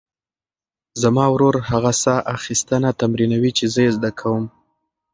زما ورور هغه ساه اخیستنه تمرینوي چې زه یې زده کوم.